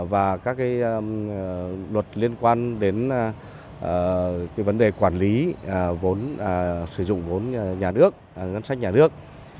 và các luật liên quan đến vấn đề quản lý vốn sử dụng vốn nhà nước ngân sách nhà nước